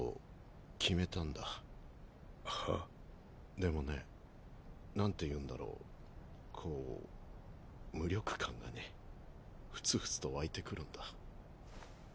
でもね何て言うんだろこう無力感がね沸々と湧いてくるんだ。